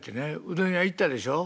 うどん屋行ったでしょ？